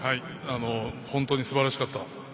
本当にすばらしかった。